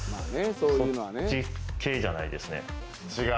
そっち系じゃないです。